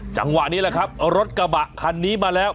จังหวะนี้แหละครับรถกระบะคันนี้มาแล้ว